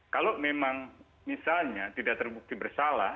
kalau memang misalnya tidak terbukti bersalah